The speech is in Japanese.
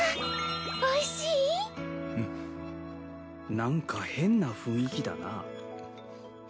何か変な雰囲気だな。